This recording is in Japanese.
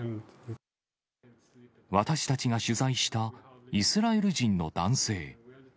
私たちが取材した、イスラエル人の男性。